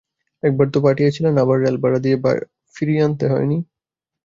একবার তো পাঠিয়েছিলেন, আবার রেলভাড়া দিয়ে ফিরিয়ে আনতে হয় নি?